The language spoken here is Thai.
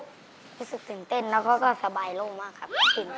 รู้สึกตื่นเต้นแล้วก็สบายโล่งมากครับ